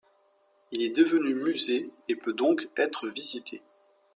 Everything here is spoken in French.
Il est devenu musée et peut donc être visité.